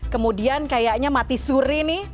kemudian kayaknya mati suri nih